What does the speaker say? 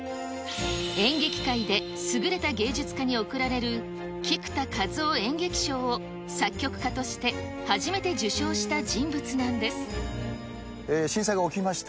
演劇界で優れた芸術家に贈られる菊田一夫演劇賞を作曲家として初震災が起きました